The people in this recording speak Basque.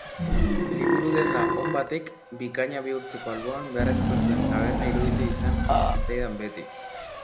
Liburu-denda on batek bikaina bihurtzeko alboan beharrezkoa zuen taberna iruditu izan zitzaidan beti.